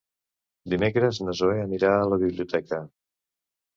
Dimecres na Zoè anirà a la biblioteca.